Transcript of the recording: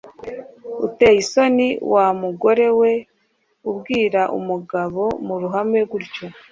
uteye isoni wa mugore we ubwira umugabo mu ruhame gutyo!